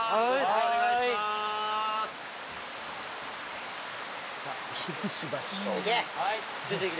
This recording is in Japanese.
お願いしますいけ！